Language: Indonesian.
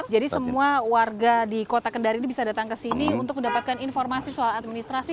jadi semua warga di kota kendari bisa datang ke sini untuk mendapatkan informasi soal administrasi